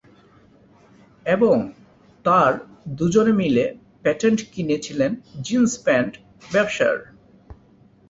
এবং তার দু’জনে মিলে প্যাটেন্ট কিনে ছিলেন জিন্স প্যান্ট ব্যবসার।